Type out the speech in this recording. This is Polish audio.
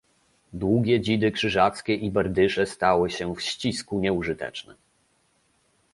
"Długie dzidy krzyżackie i berdysze stały się w ścisku nieużyteczne."